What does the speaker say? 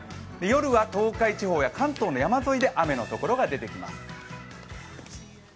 夜は東海地方や関東の山沿いで雨の所が出てきます。